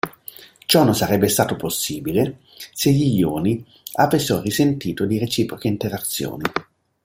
Ciò non sarebbe stato possibile se gli ioni avessero risentito di reciproche interazioni.